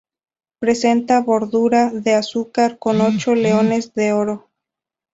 Presenta bordura de azur con ocho leones de oro.